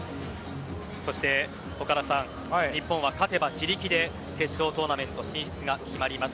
そして、岡田さん日本は勝てば自力で決勝トーナメント進出が決まります。